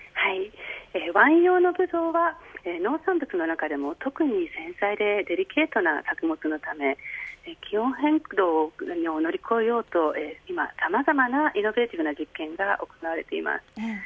ワイン用のブドウは農産物の中でも特に繊細でデリケートの作物のため気候変動を乗り越えようと今さまざまなイノベーティブな実験が行われています。